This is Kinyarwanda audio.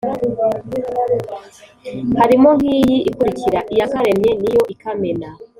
harimo nk’iyi ikurikira: “iyakaremye ni yo ikamena”,